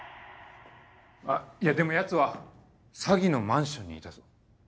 あいやでもヤツは詐欺のマンションにいたぞ。